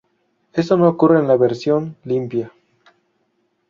Esto no ocurre en la versión limpia.